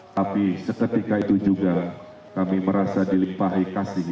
tapi seketika itu juga kami merasa dilimpahi kekuasaan allah